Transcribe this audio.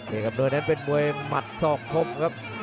เอกอำนวยนั้นเป็นมวยมัดสองพบครับ